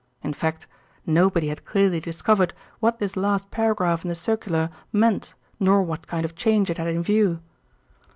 In fact, nobody had clearly discovered what this last paragraph in the circular meant nor what kind of change it had in view.